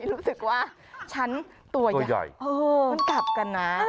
รู้สึกว่าฉันตัวใหญ่มันกลับกันนะ